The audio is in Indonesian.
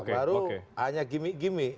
baru hanya gimmick gimmick